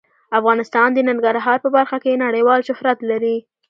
افغانستان د ننګرهار په برخه کې نړیوال شهرت لري.